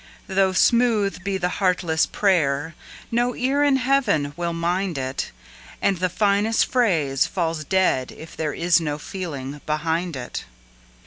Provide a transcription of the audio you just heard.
Though smooth be the heartless prayer, no ear in Heaven will mind it, And the finest phrase falls dead if there is no feeling behind it.